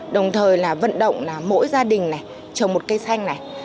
đồng thời là vận động mỗi gia đình trồng một cây xanh